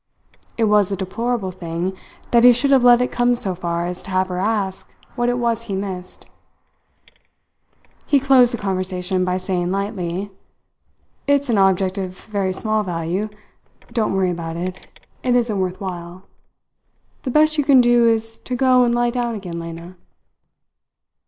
It was a deplorable thing that he should have let it come so far as to have her ask what it was he missed. He closed the conversation by saying lightly: "It's an object of very small value. Don't worry about it it isn't worth while. The best you can do is to go and lie down again, Lena."